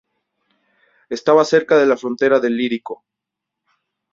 Estaba cerca de la frontera del Ilírico.